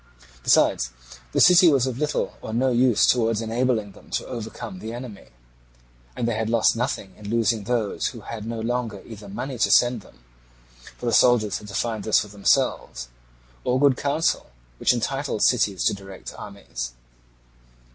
Besides, the city was of little or no use towards enabling them to overcome the enemy; and they had lost nothing in losing those who had no longer either money to send them (the soldiers having to find this for themselves), or good counsel, which entitles cities to direct armies.